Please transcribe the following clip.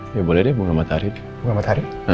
ya boleh deh bunga matahari